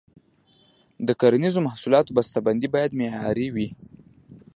د کرنیزو محصولاتو بسته بندي باید معیاري وي.